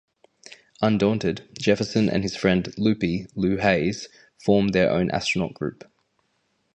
Undaunted, Jefferson and his friend "Loopie" Louie Hays form their own astronaut group.